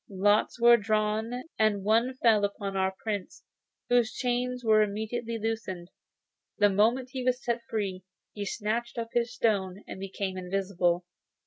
Lots were drawn, and one fell upon our Prince, whose chains were immediately loosened. The moment he was set free, he snatched up his stone, and became invisible.